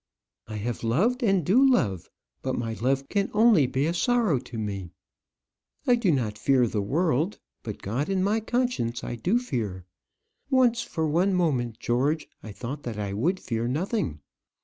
I have loved, and do love; but my love can only be a sorrow to me. I do not fear the world; but God and my conscience I do fear. Once, for one moment, George, I thought that I would fear nothing.